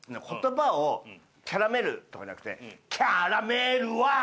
言葉を「キャラメル」とかじゃなくて「キャーラメルは！」。